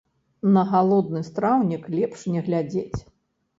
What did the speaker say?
На галодны страўнік лепш не глядзець.